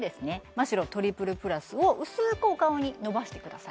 マ・シロトリプルプラスを薄くお顔にのばしてください